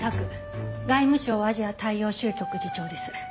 外務省アジア大洋州局次長です。